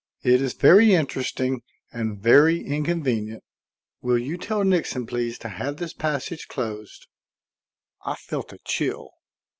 It is very interesting and very inconvenient. Will you tell Nixon, please, to have this passage closed?" I felt a chill.